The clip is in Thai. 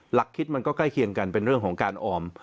หลักคิดมันก็ใกล้เคียงกันเป็นเรื่องของการออม